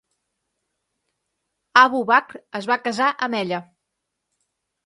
Abu Bakr es va casar amb ella.